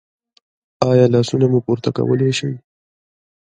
ایا لاسونه مو پورته کولی شئ؟